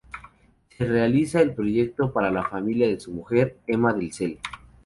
Se realiza el proyecto para la familia de su mujer, Emma Del Sel.